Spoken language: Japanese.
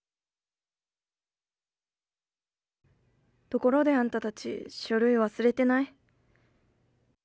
ところであんたたち書類忘れてない？